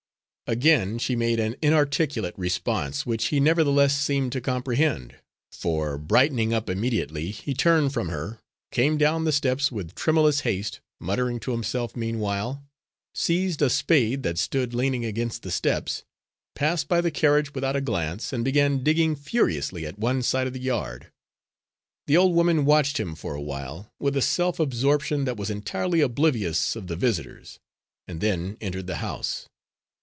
Again she made an inarticulate response, which he nevertheless seemed to comprehend, for, brightening up immediately, he turned from her, came down the steps with tremulous haste, muttering to himself meanwhile, seized a spade that stood leaning against the steps, passed by the carriage without a glance, and began digging furiously at one side of the yard. The old woman watched him for a while, with a self absorption that was entirely oblivious of the visitors, and then entered the house.